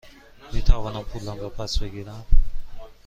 می توانم پولم را پس بگیرم؟